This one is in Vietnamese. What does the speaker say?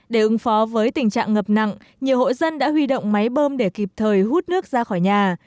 để ứng phó với tình trạng ngập nặng nhiều hộ dân đã huy động máy bơm để kịp thời hút nước ra khỏi nhà